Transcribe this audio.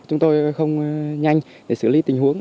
chúng tôi không nhanh để xử lý tình huống